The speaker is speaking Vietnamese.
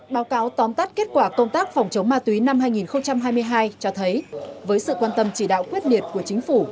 báo cáo tóm tắt kết quả công tác phòng chống ma túy năm hai nghìn hai mươi hai cho thấy với sự quan tâm chỉ đạo quyết liệt của chính phủ